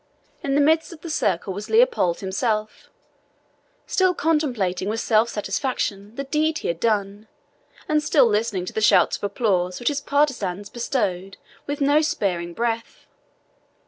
In the midst of the circle was Leopold himself, still contemplating with self satisfaction the deed he had done, and still listening to the shouts of applause which his partisans bestowed with no sparing breath.